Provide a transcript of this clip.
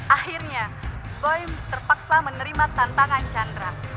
akhirnya boy terpaksa menerima tantangan chandra